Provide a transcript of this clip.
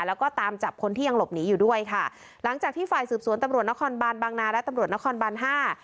แล้วก็ตามจับคนที่ยังหลบหนีอยู่ด้วยค่ะหลังจากที่ฝ่ายสืบสวนตำรวจนครบานบางนาและตำรวจนครบานห้า